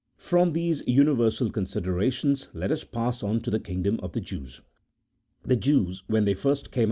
From these universal considerations, let us pass on to the kingdom of the Jews. The Jews when they first came out CHAP.